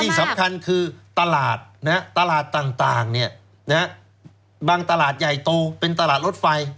สำคัญคือตลาดตลาดต่างบางตลาดใหญ่โตเป็นตลาดรถไฟ